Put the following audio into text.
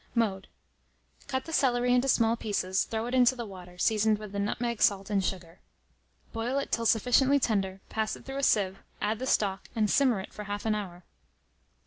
Mode. Cut the celery into small pieces; throw it into the water, seasoned with the nutmeg, salt, and sugar. Boil it till sufficiently tender; pass it through a sieve, add the stock, and simmer it for half an hour.